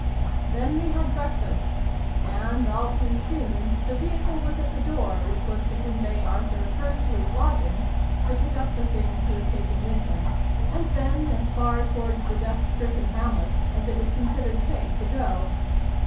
Then we had breakfast ; and, all too soon, the vehicle was at the door, which was to con vey Arthur, first to his lodgings, to pick up the things he was taking with him, and then as far towards the death stricken hamlet as it was considered safe to go.